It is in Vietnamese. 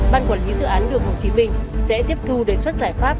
ban quản lý dự án đường hồ chí minh sẽ tiếp thu đề xuất giải pháp